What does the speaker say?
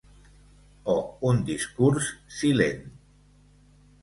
O un «discurs silent».